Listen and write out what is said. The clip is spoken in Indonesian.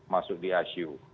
masuk di asiu